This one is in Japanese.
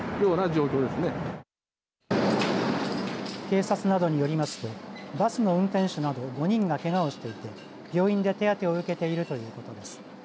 警察などによりますとバスの運転手など５人がけがをしていて病院で手当てを受けているということです。